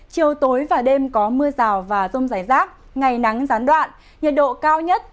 chiều tối và đêm có mưa rào và rông rải rác ngày nắng gián đoạn nhiệt độ cao nhất